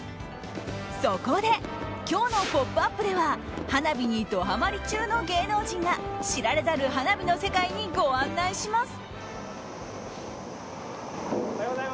そこで今日の「ポップＵＰ！」では花火にドはまり中の芸能人が知られざる花火の世界にご案内します。